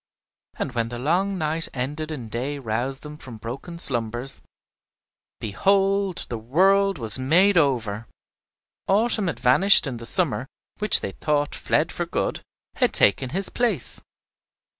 And when the long night ended and day roused them from broken slumbers, behold, the world was made over! Autumn had vanished, and the summer, which they thought fled for good, had taken his place.